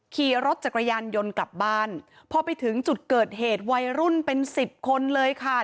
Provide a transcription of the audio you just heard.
ขี่รถจักรยานยนต์กลับบ้านพอไปถึงจุดเกิดเหตุวัยรุ่นเป็นสิบคนเลยค่ะ